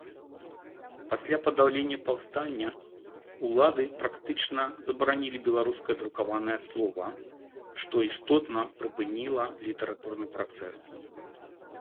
Пасля падаўлення паўстання ўлады практычна забаранілі беларускае друкаванае слова, што істотна прыпыніла літаратурны працэс.